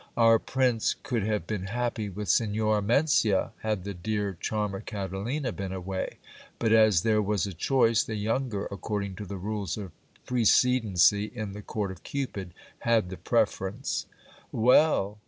Our prince could have been happy with Signora Mencia, had the dear charmer Catalina been away ; but as there was a choice, the younger, according to the rules of precedency in the court of Cupid, had the preference. Well